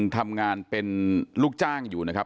ทำงานเป็นลูกจ้างอยู่นะครับ